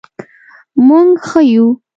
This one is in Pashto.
مونږ ښه یو